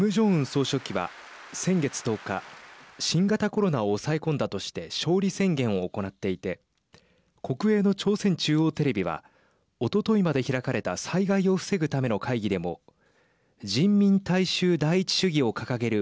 総書記は先月１０日新型コロナを抑え込んだとして勝利宣言を行っていて国営の朝鮮中央テレビはおとといまで開かれた災害を防ぐための会議でも人民大衆第一主義を掲げる